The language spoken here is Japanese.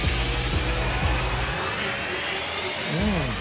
うん。